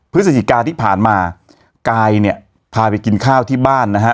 พฤศจิกาที่ผ่านมากายเนี่ยพาไปกินข้าวที่บ้านนะฮะ